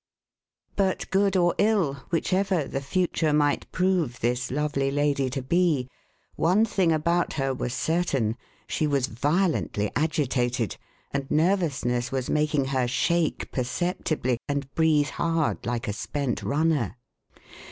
But good or ill, whichever the future might prove this lovely lady to be, one thing about her was certain: she was violently agitated, and nervousness was making her shake perceptibly and breathe hard, like a spent runner.